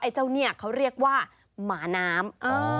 เจ้าเนี่ยเขาเรียกว่าหมาน้ำ